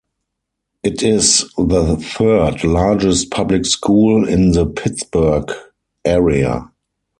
It is the third largest public school in the Pittsburgh area.